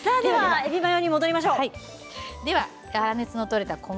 えびマヨに戻りましょう。